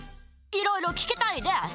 いろいろ聞きたいデス。